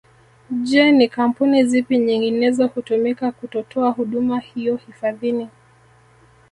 Je ni kampuni zipi nyinginezo hutumika kutotoa huduma hiyo hifadhini